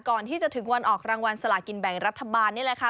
ก่อนที่จะถึงวันออกรางวัลสลากินแบ่งรัฐบาลนี่แหละค่ะ